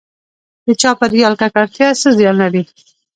د چاپیریال ککړتیا څه زیان لري؟